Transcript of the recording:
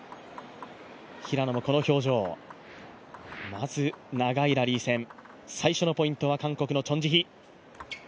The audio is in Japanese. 平野もこの表情、まず長いラリー戦、最初のポイントは韓国のチョン・ジヒ。